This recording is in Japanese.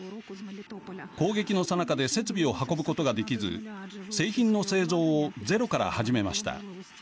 攻撃のさなかで設備を運ぶことができず製品の製造をゼロから始めました。